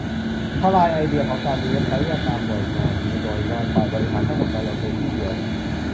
ทลายไอเดียของการมีเว็บไซต์แยกตามหน่วยงาน หน่วยงานฝ่ายบริหารทั้งหมดมารวมอยู่ในที่เดียว